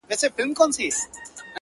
خو لا يې سترگي نه دي سرې خلگ خبري كـوي ـ